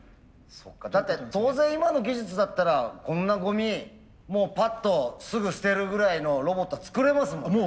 そっかだって当然今の技術だったらこんなゴミもうパッとすぐ捨てるぐらいのロボット作れますもんね。